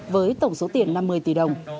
với tổng số tiền năm mươi tỷ đồng